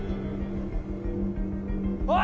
・おい！